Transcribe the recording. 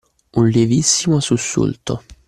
Un lievissimo sussulto.